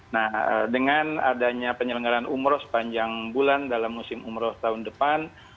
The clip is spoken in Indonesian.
nah dengan adanya penyelenggaran umroh sepanjang bulan dalam musim umroh tahun depan